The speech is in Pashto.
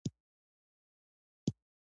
په افغانستان کې د نورستان تاریخ اوږد دی.